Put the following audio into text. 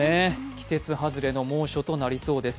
季節外れの猛暑となりそうです。